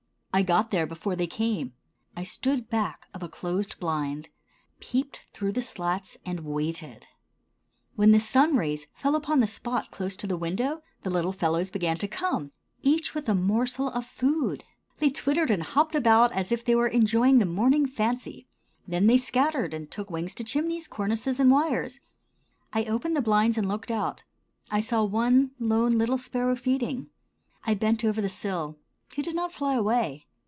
I got there before they came. I stood back of a closed blind, peeped through the slats and waited. When the sun rays fell upon the spot close to the window the little fellows began to come—each with a morsel of food. They twittered and hopped about as if they were enjoying the morning fancy. Then they scattered and took wings to chimneys, cornices and wires. I opened the blinds and looked out. I saw one lone, little sparrow feeding. I bent over the sill. He did not fly away.